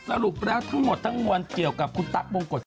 สรุปแล้วทั้งหมดเกี่ยวกับคุณต่อบุงกฎ